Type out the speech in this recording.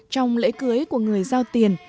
trong lễ cưới của người giao tiền